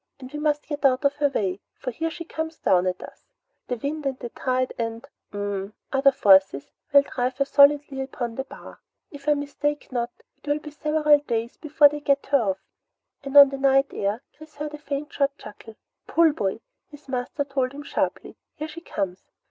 "And we must get out of her way, for here she comes down at us. The wind and the tide and hm m other forces will drive her solidly upon the bar. If I mistake not, it will be several days before they get her off," and on the night air Chris heard a faint short chuckle. "Pull, boy!" his master told him sharply. "Here she comes!"